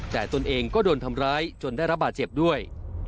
แต่ตนเองก็โดนทำร้ายจนได้รับบาดเจ็บด้วย